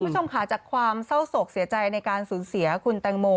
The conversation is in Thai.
คุณผู้ชมค่ะจากความเศร้าโศกเสียใจในการสูญเสียคุณแตงโม